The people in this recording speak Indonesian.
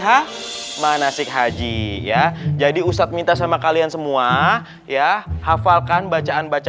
haji manasik haji ya jadi ustadz minta sama kalian semua ya hafalkan bacaan bacaan yang ada di dalam